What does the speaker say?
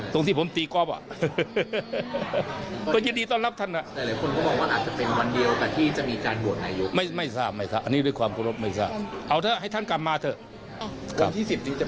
คนที่๑๐นี้จะไปต้ารับท่านช่วยไหมครับหรือยังไง